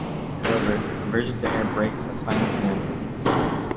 However, the conversion to air brakes has finally commenced.